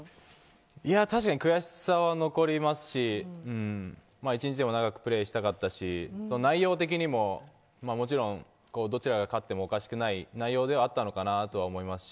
確かに悔しさは残りますし１日でも長くプレーしたかったし内容的にも、もちろんどちらが勝ってもおかしくない内容ではあったのかなと思いましたし。